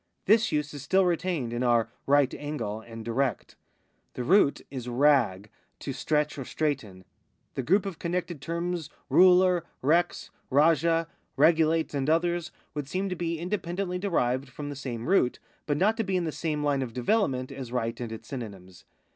This use is still retained in our right angle and direct. The root is RAG, to stretch or straighten. The group of eormected terms ruler, rex, rajah, regulate, and others, would seem to be independently derived from the same root, but not to be in the same line of development as right and its synonyms.